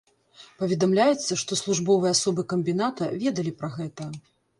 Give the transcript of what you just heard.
Паведамляецца, што службовыя асобы камбіната ведалі пра гэта.